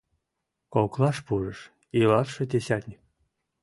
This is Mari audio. — Коклаш пурыш илалше десятник.